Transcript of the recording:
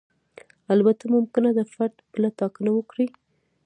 البته ممکنه ده فرد بله ټاکنه وکړي.